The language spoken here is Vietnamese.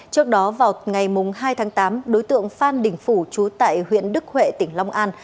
trước đó vào ngày hai tháng tám đối tượng phan đình phủ trú tại huyện đức huệ tỉnh long an